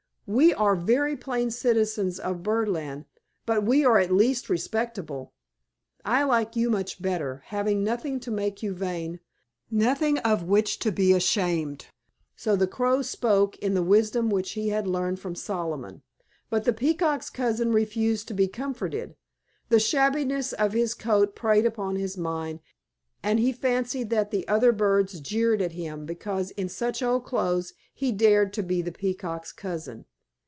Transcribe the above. We are very plain citizens of Birdland, but we are at least respectable. I like you much better, having nothing to make you vain, nothing of which to be ashamed." So the Crow spoke, in the wisdom which he had learned from Solomon. But the Peacock's cousin refused to be comforted. The shabbiness of his coat preyed upon his mind, and he fancied that the other birds jeered at him because in such old clothes he dared to be the Peacock's cousin.